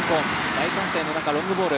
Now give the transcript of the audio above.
大歓声の中、ロングボール。